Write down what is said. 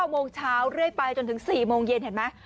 โมงเช้าเรื่อยไปจนถึง๔โมงเย็นเห็นไหม